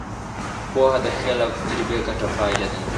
پوهه د خیال او تجربې ګډه پایله ده.